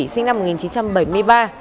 sinh năm một nghìn chín trăm bảy mươi ba